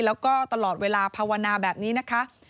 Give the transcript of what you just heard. แล้วก็ตลอดเวลาภาวนาแบบนี้นะคะ